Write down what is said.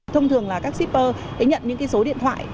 thông thường là các shipper để nhận những số điện thoại